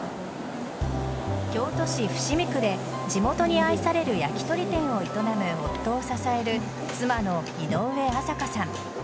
京都市伏見区で地元に愛される焼き鳥店を営む夫を支える、妻の井上麻香さん。